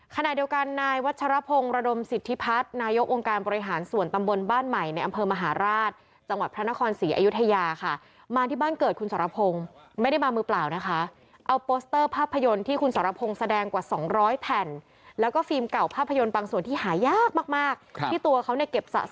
ขณะเดียวกันนายวัชรพงศ์ระดมสิทธิพัฒน์นายกองค์การบริหารส่วนตำบลบ้านใหม่ในอำเภอมหาราชจังหวัดพระนครศรีอยุธยาค่ะมาที่บ้านเกิดคุณสรพงศ์ไม่ได้มามือเปล่านะคะเอาโปสเตอร์ภาพยนตร์ที่คุณสรพงศ์แสดงกว่าสองร้อยแผ่นแล้วก็ฟิล์มเก่าภาพยนตร์บางส่วนที่หายากมากมากครับที่ตัวเขาเนี่ยเก็บสะ